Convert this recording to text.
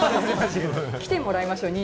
来てもらいましょう。